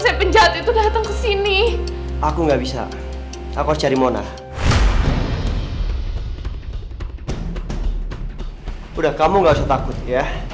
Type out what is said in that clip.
saya penjat itu datang ke sini aku nggak bisa aku cari mona udah kamu nggak usah takut ya